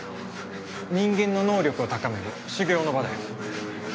人間の能力を高める修行の場だよ。